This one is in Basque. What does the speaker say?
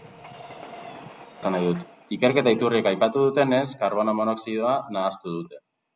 Ikerketa iturriek aipatu dutenez, karbono monoxidoa arnastu dute.